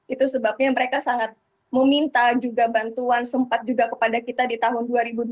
itu sebabnya mereka sangat meminta juga bantuan sempat juga kepada kita di tahun dua ribu dua puluh